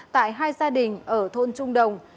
tại hai gia đình ở thôn trung đồng